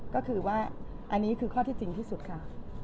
ก็คือว่าอันนี้คือข้อที่จริงที่สุดค่ะ